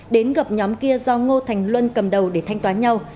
đến gặp nhóm kia do ngô thành luân cầm đầu để thanh toán nhau